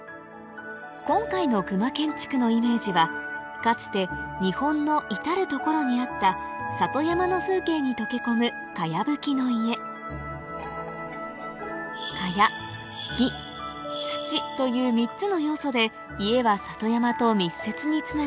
今回の隈建築のイメージはかつて日本の至る所にあった里山の風景に溶け込む茅葺きの家という３つの要素で家は里山と密接につながり